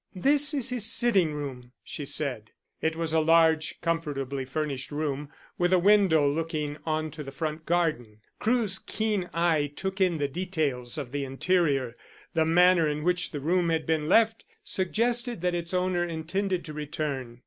"This is his sitting room," she said. It was a large, comfortably furnished room, with a window looking onto the front garden. Crewe's keen eye took in the details of the interior. The manner in which the room had been left suggested that its owner intended to return.